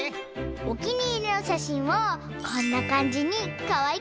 おきにいりのしゃしんをこんなかんじにかわいくかざれるの。